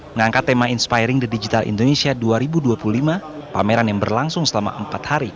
mengangkat tema inspiring the digital indonesia dua ribu dua puluh lima pameran yang berlangsung selama empat hari